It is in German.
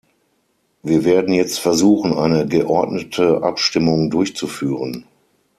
Wir werden jetzt versuchen, eine geordnete Abstimmung durchzuführen.